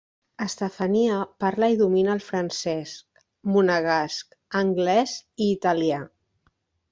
Estefania parla i domina el francès, monegasc, anglès i italià.